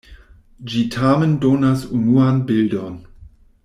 Ĝi tamen donas unuan bildon.